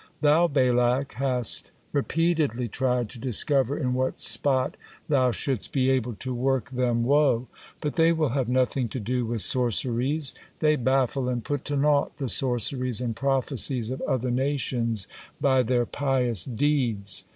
Thou, Balak, hast repeatedly tried to discover in what spot thou shouldst be able to work them woe, but they will have nothing to do with sorceries, they baffle and put to naught the sorceries and prophecies of other nations by their pious deeds.